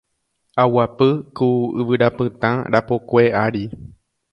Aguapy ku yvyrapytã rapokue ári